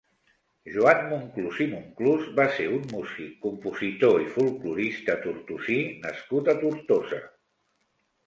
Joan Monclús i Monclús va ser un músic, compositor i folklorista tortosí nascut a Tortosa.